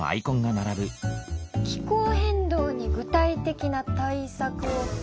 「気候変動に具体的な対策を」。